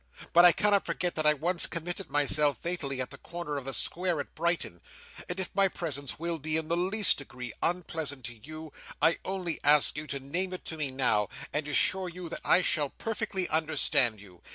But I cannot forget that I once committed myself, fatally, at the corner of the Square at Brighton; and if my presence will be, in the least degree, unpleasant to you, I only ask you to name it to me now, and assure you that I shall perfectly understand you.